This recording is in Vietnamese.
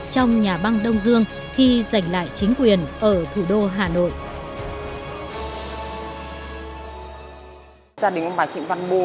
trong nhà băng đông dương khi giành lại chính quyền ở thủ đô hà nội